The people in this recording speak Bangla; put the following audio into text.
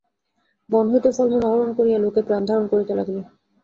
বন হইতে ফলমূল আহরণ করিয়া লোকে প্রাণধারণ করিতে লাগিল।